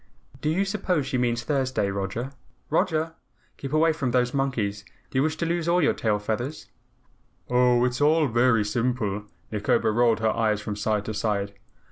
"Do you suppose she means Thursday? Roger! ROGER! Keep away from those monkeys. Do you wish to lose all your tail feathers?" "Oh, it's all very simple," Nikobo rolled her eyes from side to side.